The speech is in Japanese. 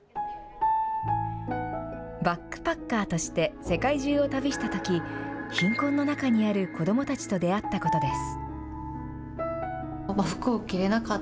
バックパッカーとして世界中を旅したとき貧困の中にある子どもたちと出会ったことです。